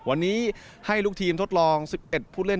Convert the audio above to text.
วันนี้ให้ลูกทีมทดลอง๑๑ผู้เล่น